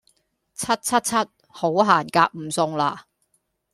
柒柒柒好行夾唔送啦